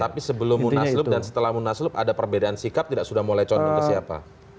tapi sebelum munasilup dan setelah munasilup ada perbedaan sikap tidak sudah mau lecon ke siapa